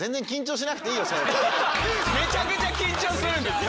めちゃくちゃ緊張するんですよ！